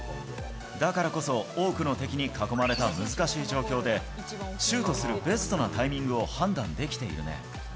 だからこそ多くの敵に囲まれた難しい状況で、シュートするベストなタイミングを判断できているね。